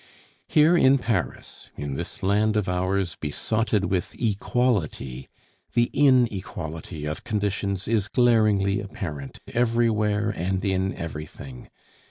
Here in Paris, in this land of ours besotted with Equality, the inequality of conditions is glaringly apparent everywhere and in everything.